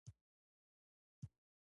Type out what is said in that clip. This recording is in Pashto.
د کوکو بټر د داغونو لپاره وکاروئ